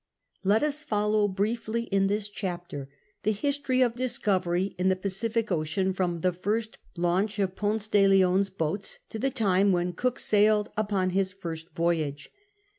Let us follow briefly in this chapter the history of discovery in the Pacific Ocean from the first launch of Ponce de Leon's boats to the time when Cook sailed upon his first voyage.